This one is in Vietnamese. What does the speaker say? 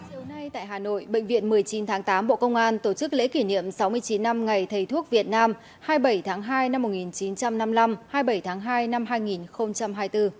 chiều nay tại hà nội bệnh viện một mươi chín tháng tám bộ công an tổ chức lễ kỷ niệm sáu mươi chín năm ngày thầy thuốc việt nam hai mươi bảy tháng hai năm một nghìn chín trăm năm mươi năm hai mươi bảy tháng hai năm hai nghìn hai mươi bốn